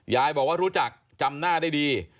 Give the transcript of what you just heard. ยายบอกว่ารู้จักจำหน้าได้ดี